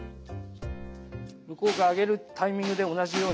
向こうが上げるタイミングで同じように。